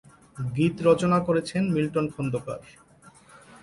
গীত রচনা করেছেন মিল্টন খন্দকার।